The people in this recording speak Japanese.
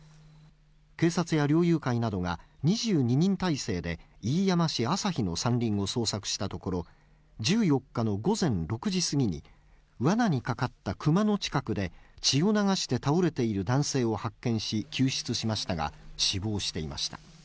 警察や猟友会などが２２人態勢で飯山市旭の山林を捜索したところ、１４日の午前６時過ぎに、わなにかかったクマの近くで、血を流して倒れている男性を発見し、救出しましたが、死亡していました。